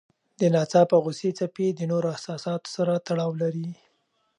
د ناڅاپه غوسې څپې د نورو احساساتو سره تړاو لري.